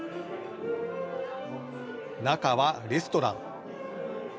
中はレストラン。